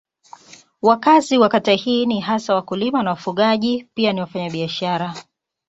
Wakazi wa kata hii ni hasa wakulima na wafugaji pia ni wafanyabiashara.